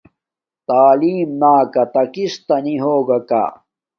تعیلم نکاتہ کستہ نی ہوگاکا۔